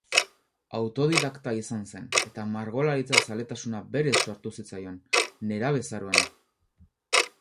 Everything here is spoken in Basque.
Autodidakta izan zen eta margolaritza-zaletasuna berez sortu zitzaion, nerabezaroan.